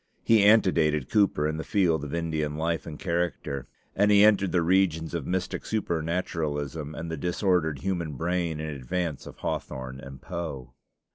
He antedated Cooper in the field of Indian life and character; and he entered the regions of mystic supernaturalism and the disordered human brain in advance of Hawthorne and Poe.